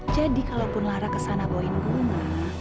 jadi kalau pun lara kesana bawa bunga